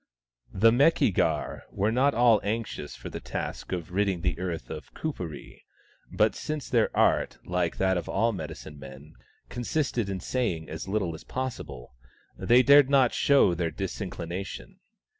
The Meki gar were not at all anxious for the task of ridding the earth of Kuperee, but since their art, like that of all medicine men, consisted in saying as little as possible, they dared not show their dis inclination.